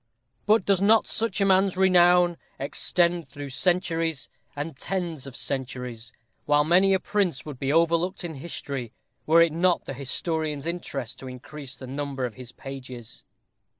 But does not such a man's renown extend through centuries and tens of centuries, while many a prince would be overlooked in history were it not the historian's interest to increase the number of his pages?